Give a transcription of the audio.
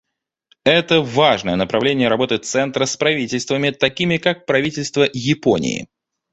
Это — важное направление работы Центра с правительствами, такими как правительство Японии.